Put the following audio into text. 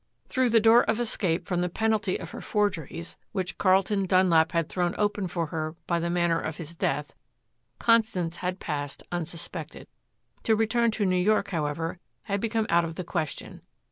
Through the door of escape from the penalty of her forgeries, which Carlton Dunlap had thrown open for her by the manner of his death, Constance had passed unsuspected. To return to New York, however, had become out of the question.